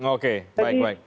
oke baik baik